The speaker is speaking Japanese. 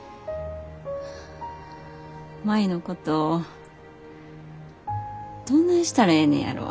舞のことどないしたらええねやろ。